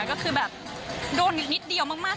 ก็คือโดนนิดเดียวมาก